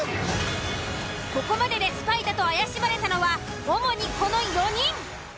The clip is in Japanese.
ここまででスパイだと怪しまれたのは主にこの４人。